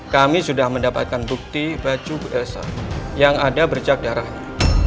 kami sudah mendapatkan bukti baju elsa yang ada bercak darahnya